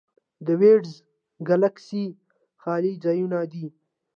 د وایډز ګلکسي خالي ځایونه دي.